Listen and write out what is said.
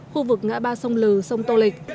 khu vực ngã ba sông lừ sông tô lịch